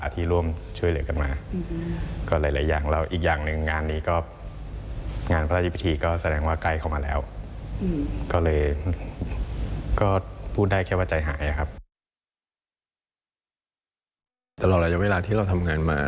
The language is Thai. ตลอดอะไรอย่างเวลาที่เราทำงานมัน